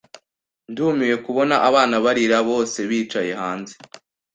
Ndumiwe kubona abana barira bose bicaye hanze